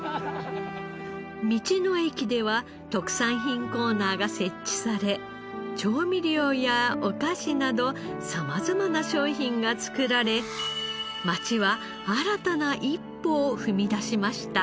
道の駅では特産品コーナーが設置され調味料やお菓子など様々な商品が作られ町は新たな一歩を踏み出しました。